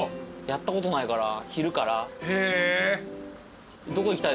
やったことないから昼から。